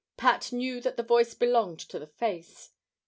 Pat knew that the voice belonged to the face.